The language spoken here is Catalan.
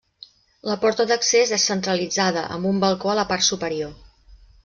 La porta d'accés és centralitzada amb un balcó a la part superior.